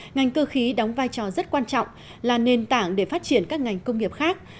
ngành cơ khí đóng vai trò rất quan trọng là nền tảng để phát triển các ngành công nghiệp khác